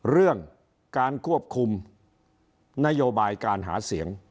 เรื่องการควบคุมนโยบายการหาเสียง